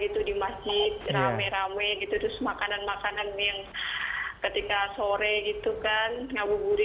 terus tada harus bareng